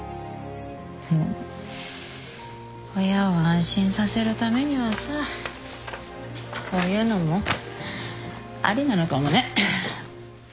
でも親を安心させるためにはさこういうのもありなのかもね。